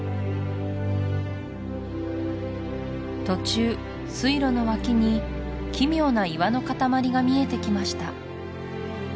途中水路の脇に奇妙な岩の塊が見えてきました